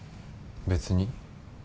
別に。